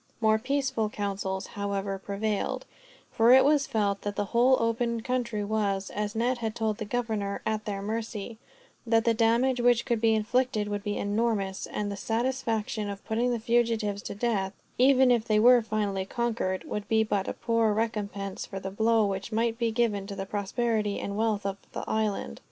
More peaceful counsels, however, prevailed; for it was felt that the whole open country was, as Ned had told the governor, at their mercy; that the damage which could be inflicted would be enormous; and the satisfaction of putting the fugitives to death, even if they were finally conquered, would be but a poor recompense for the blow which might be given to the prosperity and wealth of the island.